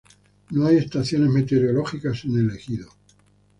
No hay estaciones meteorológicas en el ejido.